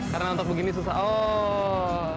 karena untuk begini susah